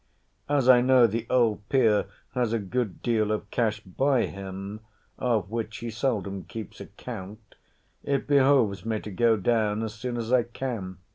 As I know the old peer has a good deal of cash by him, of which he seldom keeps account, it behoves me to go down as soon as I can.